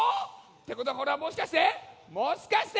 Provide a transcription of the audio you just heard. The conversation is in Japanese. ってことはこれはもしかしてもしかして！